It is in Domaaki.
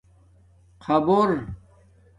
خبُر